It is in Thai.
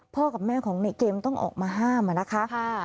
กับแม่ของในเกมต้องออกมาห้ามนะคะ